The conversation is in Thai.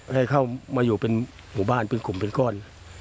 ให้เข้ามาอยู่เป็นหมู่บ้านเป็นกลุ่มเป็นก้อน